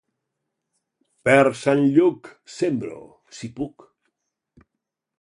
Per Sant Lluc sembro, si puc.